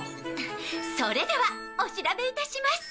それではお調べいたします。